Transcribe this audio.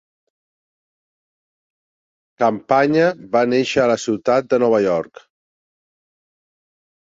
Campagna va néixer a la ciutat de Nova York.